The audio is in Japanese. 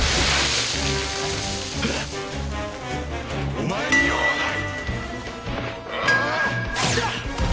お前に用はない！